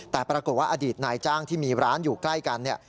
แต่ปรากฏว่าอดีตนายจ้างที่มีร้านอยู่ใกล้กันเนี่ย